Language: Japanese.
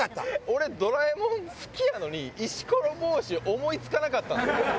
俺『ドラえもん』好きやのに石ころぼうし思い付かなかったんですよ。